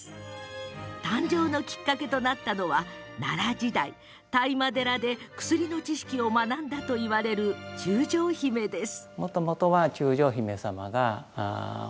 誕生のきっかけとなったのは奈良時代、當麻寺で薬の知識を学んだといわれる中将姫です。